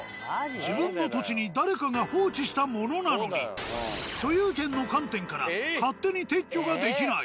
自分の土地に誰かが放置したものなのに所有権の観点から勝手に撤去ができない。